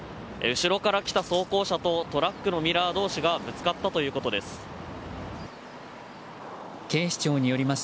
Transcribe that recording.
後ろから来た装甲車とトラックのミラー同士がぶつかったということです。